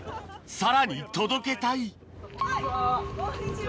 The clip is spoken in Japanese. さらに届けたいこんにちは。